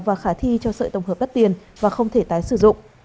và khả thi cho sợi tổng hợp đắt tiền và không thể tái sử dụng